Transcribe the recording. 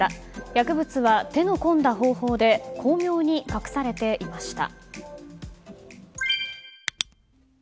薬物は手の込んだ方法で巧妙に隠されていました。